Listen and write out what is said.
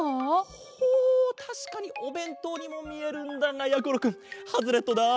ほうたしかにおべんとうにもみえるんだがやころくんハズレットだ。